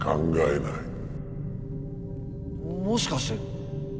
もしかしてお前。